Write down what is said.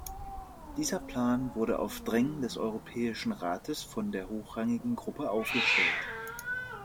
Dieser Plan wurde auf Drängen des Europäischen Rates von der Hochrangigen Gruppe aufgestellt.